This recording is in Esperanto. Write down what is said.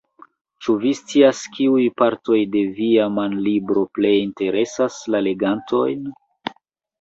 Ĉu vi scias, kiuj partoj de via manlibro plej interesas la legantojn?